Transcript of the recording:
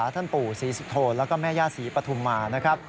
ท่านปู่ศรีสุโธนแล้วก็แม่ย่าศรีปฐุมมานะครับ